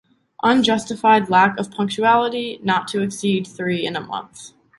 Unjustified lack of punctuality, not to exceed three in a month.